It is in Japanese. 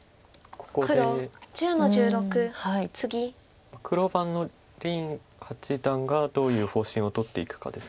ここで黒番の林八段がどういう方針をとっていくかです。